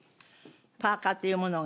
パーカーっていうものが？